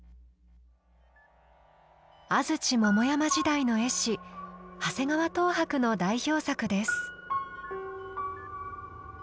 安土桃山時代の絵師長谷川等伯の代表作です。